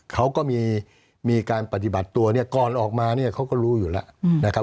เขาก็มีการปฏิบัติตัวก่อนออกมาเขาก็รู้อยู่แล้ว